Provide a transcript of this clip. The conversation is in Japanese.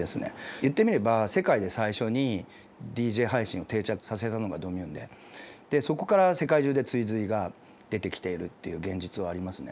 言ってみれば世界で最初にＤＪ配信を定着させたのがＤＯＭＭＵＮＥでそこから世界中で追随が出てきているという現実はありますね。